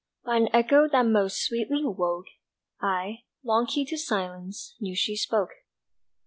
By an echo that most sweetly woke, I, long keyed to silence, Knew she spoke.